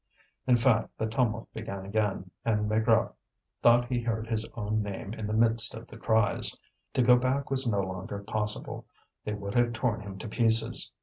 In fact, the tumult began again, and Maigrat thought he heard his own name in the midst of the cries. To go back was no longer possible, they would have torn him to pieces.